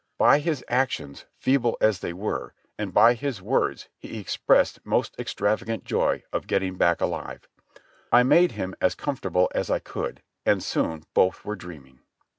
By his actions, feeble as they were, and by his words he ex pressed most extravagant joy at getting back alive. I made him as comfortable as I could and soon both were dreaming.